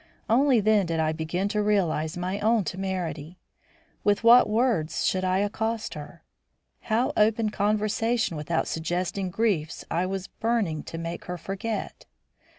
Only then did I begin to realise my own temerity. With what words should I accost her? How open conversation without suggesting griefs I was burning to make her forget?